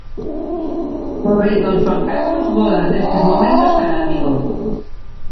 O rei don Xoán Carlos voa nestes momentos cara a Vigo.